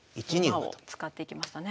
馬を使っていきましたね。